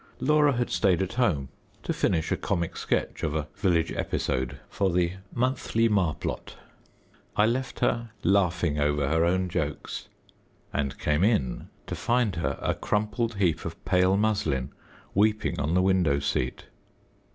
Laura had stayed at home to finish a comic sketch of a village episode for the Monthly Marplot. I left her laughing over her own jokes, and came in to find her a crumpled heap of pale muslin weeping on the window seat.